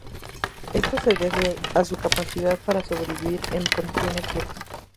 Esto se debe a su capacidad para sobrevivir en condiciones duras.